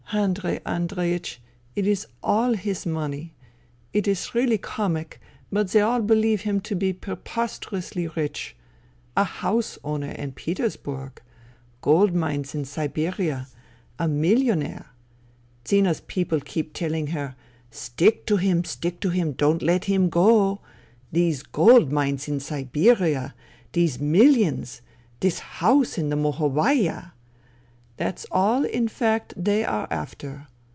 " Andrei Andreieeh, it is all his money. It is really comic, but they all believe him to be pre posterously rich. A house owner in Petersburg ! Gold mines in Siberia ! A millionaire ! Zina's people keep telling her, ' Stick to him, stick to him, don't let him go. These gold mines in Siberia, these mil lions, this house in the Mohovaya !' That's all, in fact, they are after.